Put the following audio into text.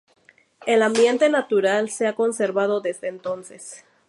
El ambiente natural se ha conservado desde entonces.